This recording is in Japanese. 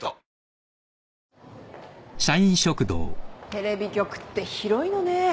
テレビ局って広いのねぇ。